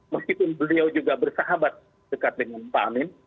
meskipun beliau juga bersahabat dekat dengan pak amin